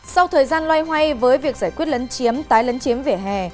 sau thời gian loay hoay với việc giải quyết lấn chiếm tái lấn chiếm vỉa hè